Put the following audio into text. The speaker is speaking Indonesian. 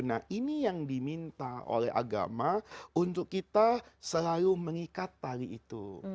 nah ini yang diminta oleh agama untuk kita selalu mengikat tali itu